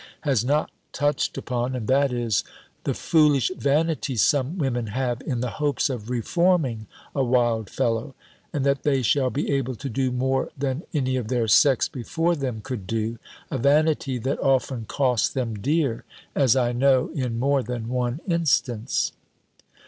has not touched upon; and that is, the foolish vanity some women have, in the hopes of reforming a wild fellow; and that they shall be able to do more than any of their sex before them could do: a vanity that often costs them dear, as I know in more than one instance."